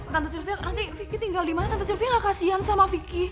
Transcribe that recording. tante sylvia nanti vicky tinggal dimana tante sylvia gak kasihan sama vicky